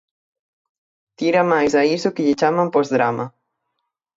Tira máis a iso que lle chaman "posdrama".